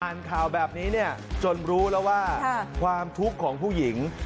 อ่านข่าวแบบนี้เนี่ยจนรู้แล้วว่าความทุกข์ของผู้หญิง